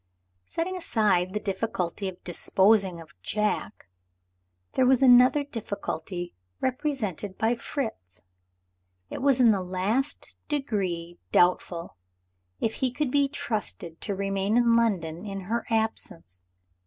Setting aside the difficulty of disposing of Jack, there was another difficulty, represented by Fritz. It was in the last degree doubtful if he could be trusted to remain in London in her absence.